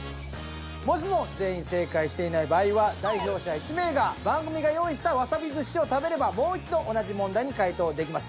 もしも全員正解していない場合は代表者１名が番組が用意したわさび寿司を食べればもう一度同じ問題に解答できます。